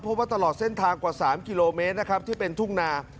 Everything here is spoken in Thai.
เพราะว่าตลอดเส้นทางกว่า๓กิโลเมตรนะครับที่เป็นทุ่งนา